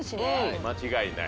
間違いない。